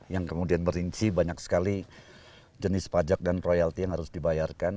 yang kemudian merinci banyak sekali jenis pajak dan royalti yang harus dibayarkan